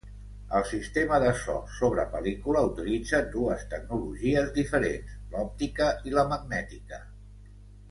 El sistema de so sobre pel·lícula utilitza dues tecnologies diferents, l'òptica i la magnètica.